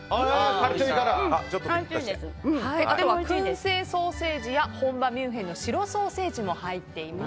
燻製ソーセージや本場ミュンヘンの白ソーセージも入っています。